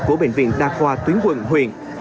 của bệnh viện đa khoa tuyến quận huyện